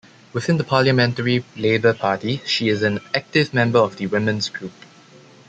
Within the Parliamentary Labour Party, she is an active member of the Women's Group.